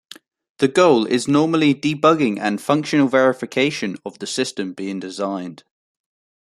The goal is normally debugging and functional verification of the system being designed.